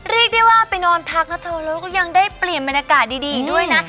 เรียกได้ว่าไปนอนพักนะเธอแล้วก็ยังได้เปลี่ยนบรรยากาศดีอีกด้วยนะ